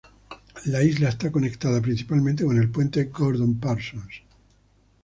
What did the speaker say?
La isla está conectada principalmente con el puente Gordon Persons.